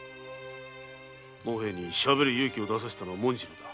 茂平にしゃべる勇気を出させたのは紋次郎だ。